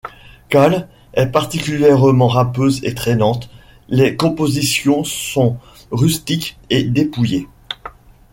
Cale est particulièrement râpeuse et traînante, les compositions sont rustiques et dépouillées.